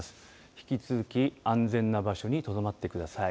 引き続き安全な場所にとどまってください。